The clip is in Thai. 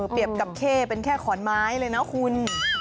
กับเข้เป็นแค่ขอนไม้เลยนะคุณ